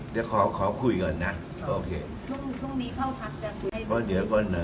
เดี๋ยวขอคุยก่อนนะ